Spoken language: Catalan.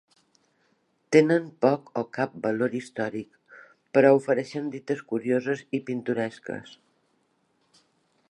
Tenen poc o cap valor històric però ofereixen dites curioses i pintoresques.